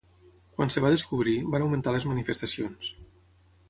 Quan es va descobrir, van augmentar les manifestacions.